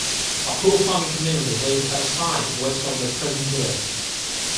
A poor farming community lived at a site west of the present village.